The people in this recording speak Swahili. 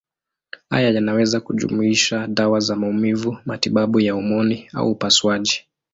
Haya yanaweza kujumuisha dawa za maumivu, matibabu ya homoni au upasuaji.